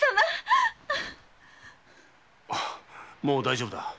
もう大丈夫だ。